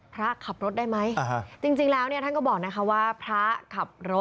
พระขับรถได้ไหมจริงงแล้วท่านก็บอกนะค่ะว่า